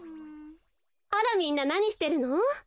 あらみんななにしてるの？